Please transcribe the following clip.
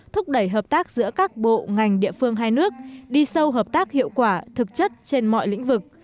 thúc đẩy hợp tác giữa các bộ ngành địa phương hai nước đi sâu hợp tác hiệu quả thực chất trên mọi lĩnh vực